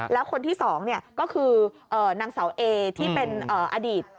แล้วคนที่๒ก็คือนางเสาเอที่เป็นอดีต